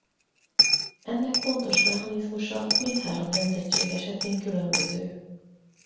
Ennek pontos mechanizmusa mindhárom nemzetség esetén különböző.